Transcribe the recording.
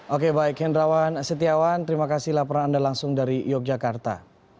oke baik hendrawan setiawan terima kasih laporan anda langsung dari yogyakarta